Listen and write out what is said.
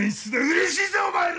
うれしいぜお前ら！